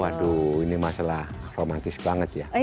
waduh ini masalah romantis banget ya